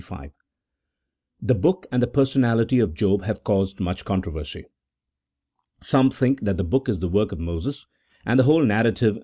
The book and the personality of Job have caused much controversy. Some think that the book is the work of Moses, and the whole narrative m.